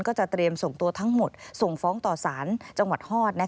ก็จะเตรียมส่งตัวทั้งหมดส่งฟ้องต่อสารจังหวัดฮอต